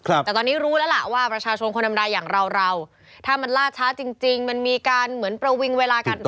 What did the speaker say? แต่ตอนนี้รู้แล้วล่ะว่าประชาชนคนธรรมดาอย่างเราเราถ้ามันล่าช้าจริงจริงมันมีการเหมือนประวิงเวลากัน